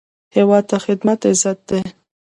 هیواد ته خدمت عزت دی